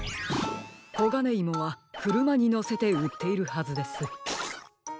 コガネイモはくるまにのせてうっているはずです。